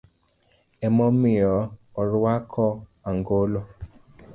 Emomiyo orwako angolo.